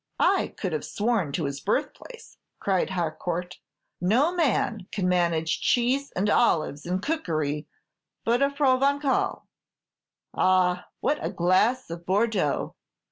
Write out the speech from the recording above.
"I could have sworn to his birthplace," cried Harcourt; "no man can manage cheese and olives in cookery but a Provençal. Ah, what a glass of Bordeaux!